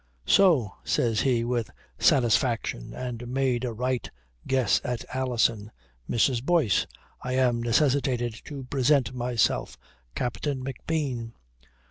"So," says he with satisfaction and made a right guess at Alison. "Mrs. Boyce, I am necessitated to present myself. Captain McBean."